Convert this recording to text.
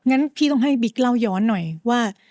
งั้นพี่ต้องให้บิ๊กเล่าย้อนหน่อยว่า